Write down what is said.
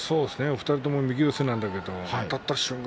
２人とも右四つなんですけれどもあたった瞬間